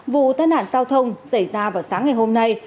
vụ thân hạn giao thông xảy ra vào sáng ngày hôm nay